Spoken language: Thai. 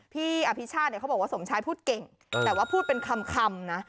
พี่อภิชาติเนี่ยเขาบอกว่าสมชายพูดเก่งแต่ว่าพูดเป็นคำนะ